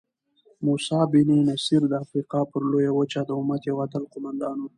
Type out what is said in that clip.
موسی بن نصیر د افریقا پر لویه وچه د امت یو اتل قوماندان وو.